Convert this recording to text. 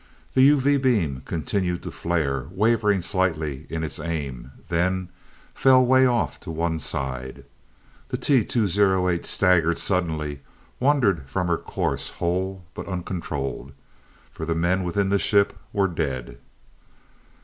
The UV beam continued to flare, wavering slightly in its aim then fell way off to one side. The T 208 staggered suddenly, wandered from her course whole, but uncontrolled. For the men within the ship were dead.